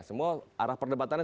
semua arah perdebatannya